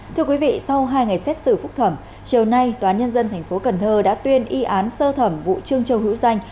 thưa quý vị sau hai ngày xét xử phúc thẩm chiều nay tnthcn đã tuyên y án sơ thẩm vụ trương châu hữu danh